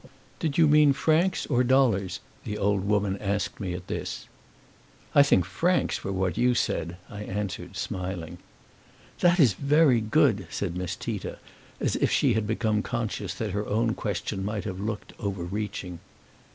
"Did you mean francs or dollars?" the old woman asked of me at this. "I think francs were what you said," I answered, smiling. "That is very good," said Miss Tita, as if she had become conscious that her own question might have looked overreaching.